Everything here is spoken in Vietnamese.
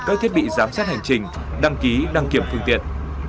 các thiết bị giám sát hành trình đăng ký đăng kiểm phương tiện